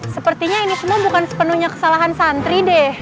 sepertinya ini semua bukan sepenuhnya kesalahan santri deh